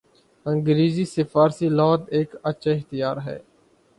انگریزی سے فارسی لغت ایک اچھا اختیار ہے۔